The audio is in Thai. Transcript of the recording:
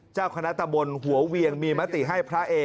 เจ้าคณะตะบนหัวเวียงมีมติให้พระเอ